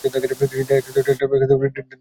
Delta team পথে আছে।